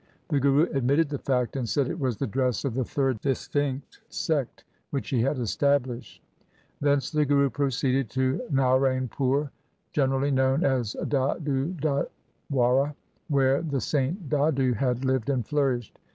The Guru admitted the fact, and said it was the dress of the third distinct sect which he had established. Thence the Guru proceeded to Narainpur, generally known as Dadudwara, where the saint Dadu had lived and flourished.